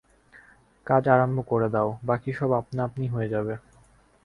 কাজ আরম্ভ করে দাও, বাকী সব আপনা-আপনি হয়ে যাবে।